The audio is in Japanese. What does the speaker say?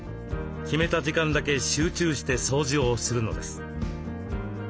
決めた時間だけ集中して掃除をするのです。